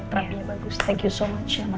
terapinya bagus thank you so much